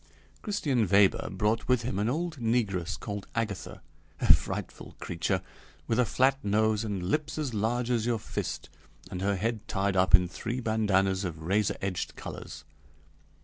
Christian Weber brought with him an old negress called Agatha: a frightful creature, with a flat nose and lips as large as your fist, and her head tied up in three bandanas of razor edged colors.